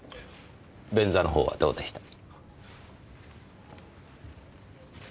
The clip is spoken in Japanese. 便座のほうはどうでした？